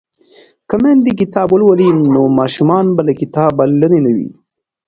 که میندې کتاب ولولي نو ماشومان به له کتابه لرې نه وي.